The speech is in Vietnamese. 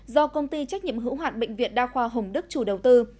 do công ty trách nhiệm hữu hoạn bệnh viện đa khoa hồng đức chủ đầu tư